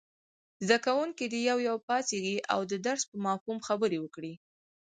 زده کوونکي دې یو یو پاڅېږي او د درس په مفهوم خبرې وکړي.